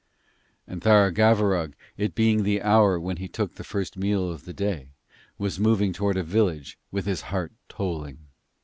And Tharagavverug, it being the hour when he took the first meal of the day, was moving towards a village with his heart tolling.